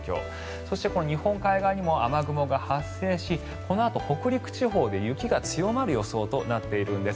そして、日本海側でも雨雲が発生しこのあと北陸地方で雪が強まる予想となっているんです。